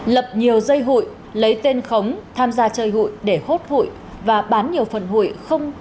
lập nhiều dây hụi lấy tên khống tham gia chơi hụi để hốt hụi và bán nhiều phần hụi không